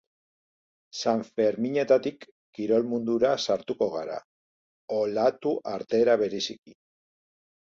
Sanferminetatik kirol mundura sartuko gara, olatu artera bereziki.